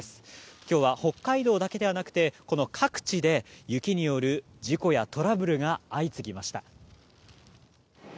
今日は、北海道だけではなくて各地で雪による事故やトラブルが相次ぎました。